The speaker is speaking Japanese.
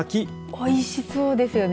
おいしそうですよね。